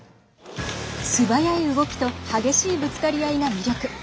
素早い動きと激しいぶつかり合いが魅力。